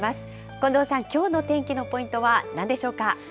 近藤さん、きょうの天気のポイントはなんでしょうか。